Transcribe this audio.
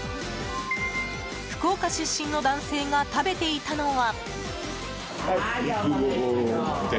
福岡出身の男性が食べていたのは。